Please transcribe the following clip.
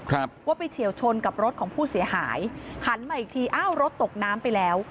ว่าไปเฉียวชนกับรถของผู้เสียหายหันมาอีกทีอ้าวรถตกน้ำไปแล้ว